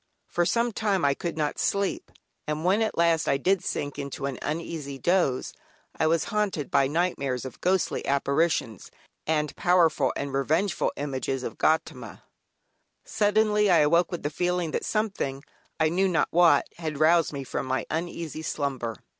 For some time I could not sleep, and when at last I did sink into an uneasy doze I was haunted by nightmares of ghostly apparitions, and powerful and revengeful images of Gaudama. Suddenly I awoke with the feeling that something, I knew not what, had roused me from my uneasy slumber.